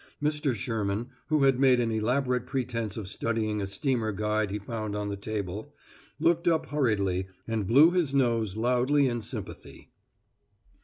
Mr. Sherman, who had made an elaborate pretense of studying a steamer guide he found on the table, looked up hurriedly and blew his nose loudly in sympathy.